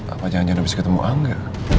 apa jangan jangan habis ketemu angga